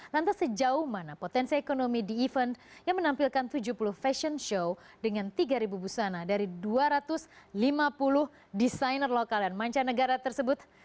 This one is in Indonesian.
lantas sejauh mana potensi ekonomi di event yang menampilkan tujuh puluh fashion show dengan tiga busana dari dua ratus lima puluh desainer lokal dan mancanegara tersebut